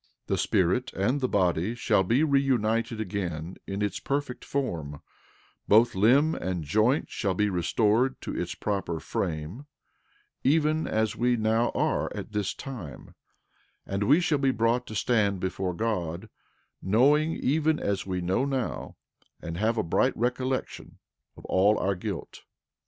11:43 The spirit and the body shall be reunited again in its perfect form; both limb and joint shall be restored to its proper frame, even as we now are at this time; and we shall be brought to stand before God, knowing even as we know now, and have a bright recollection of all our guilt.